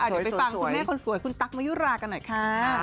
เดี๋ยวไปฟังคุณแม่คนสวยคุณตั๊กมะยุรากันหน่อยค่ะ